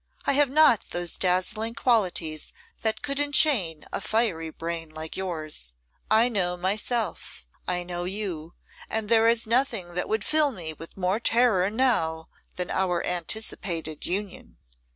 I have not those dazzling qualities that could enchain a fiery brain like yours. I know myself; I know you; and there is nothing that would fill me with more terror now than our anticipated union.